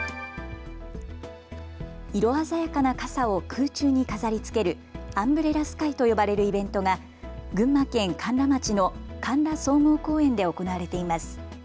色鮮やかな傘を空中に飾りつけるアンブレラスカイと呼ばれるイベントが群馬県甘楽町の甘楽総合公園で行われています。